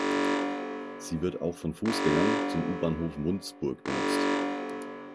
Sie wird auch von Fußgängern zum U-Bahnhof Mundsburg genutzt.